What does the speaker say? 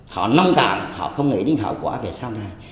họ nông càng họ không nghĩ đến hậu quả về sau này